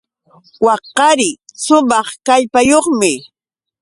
Wak qali shumaq kallpayuqmi.